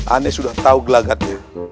aneh sudah tahu gelagatnya